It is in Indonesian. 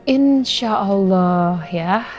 insya allah ya